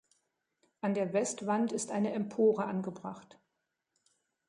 An der Westwand ist eine Empore angebracht.